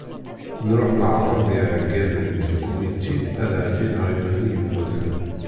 Nruḥ neɣra-d i iɛeggalen n lkumiti ad ɛebbin aɣyul-nni yemmuten.